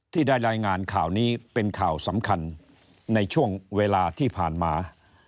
ที่ได้รายงานข่าวนี้เป็นข่าวสำคัญในช่วงเวลาที่ผ่านมา